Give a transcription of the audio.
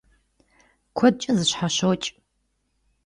Kuedç'e zeşheşoç'.